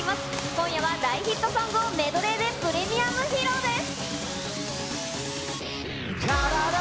今夜は大ヒットソングをメドレーでプレミアム披露です。